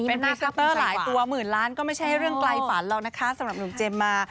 เป็นพรีเซนเตอร์หลายตัวหมื่นล้านก็ไม่ใช่เรื่องไกลฝันแล้วนะคะสำหรับหนุ่มเจมส์มา